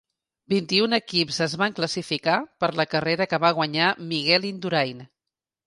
Vint-i-un equips es van classificar per la carrera que va guanyar Miguel Indurain.